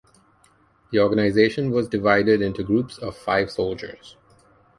The organization was divided onto groups of five soldiers.